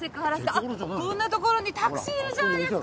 あっこんな所にタクシーいるじゃないですか。